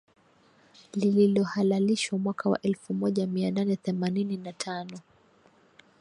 lililohalalishwa mwaka wa elfu moja mia nane themanini na tano